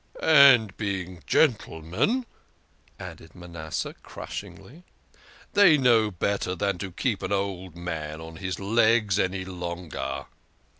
" And being gentlemen," added Manasseh crushingly, " they know better than to keep an old man on his legs any longer."